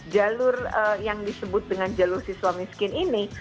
jalur yang disebut dengan jalur siswa miskin ini